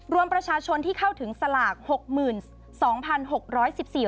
รวมประชาชนที่เข้าถึงสลากหกหมื่นสองพันหกร้อยสิบสี่